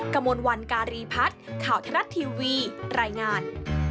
กระมวลวันการีพัฒน์ข่าวทรัฐทีวีรายงาน